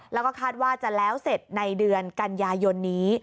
แล้วก็คาดว่าจะแล้วเสร็จในเดือนกันยายนนี้